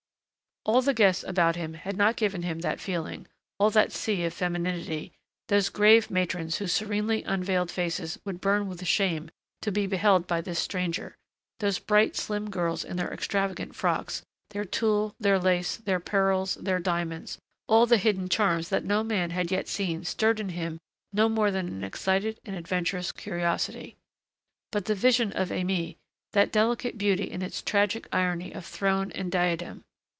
All the guests about him had not given him that feeling, all that sea of femininity, those grave matrons whose serenely unveiled faces would burn with shame to be beheld by this stranger, those bright, slim girls in their extravagant frocks, their tulle, their lace, their pearls, their diamonds, all the hidden charms that no man had yet seen stirred in him no more than an excited and adventurous curiosity. But the vision of Aimée that delicate beauty in its tragic irony of throne and diadem!